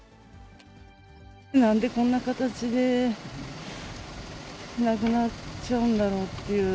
なんでこんな形で亡くなっちゃうんだろうっていう。